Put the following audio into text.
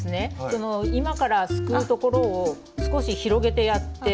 その今からすくうところを少し広げてやって。